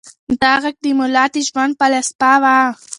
دا غږ د ملا د ژوند فلسفه وه.